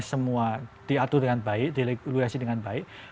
semua diatur dengan baik di regulasi dengan baik